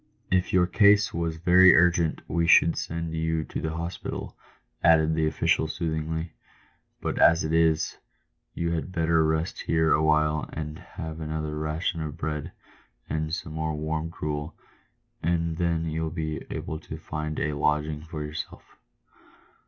" If your case was very urgent we should send you to the hospital," added the official, soothingly ;" but as it is, you had better rest here awhile and have another ration of bread and some more warm gruel, and then you'll be able to find a lodging for yourself."